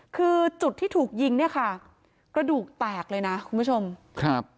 คือจุดที่ถูกยิงเนี่ยค่ะกระดูกแตกเลยนะคุณผู้ชมครับ